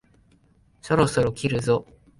そろそろ切るぞ？